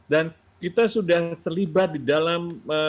dan kita sudah terlibat di dalam